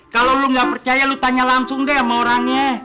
kalau lo gak percaya lu tanya langsung deh sama orangnya